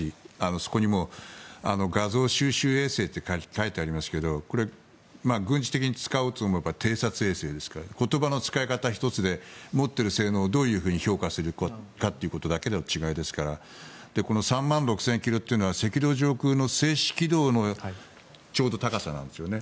そこにも画像収集衛星って書いてありますけどこれは軍事的に使おうと思えば偵察衛星ですから言葉の使い方１つで持っている性能をどう評価するかということだけの違いですからこの３万６０００ｋｍというのは赤道上の静止軌道のちょうど高さなんですよね。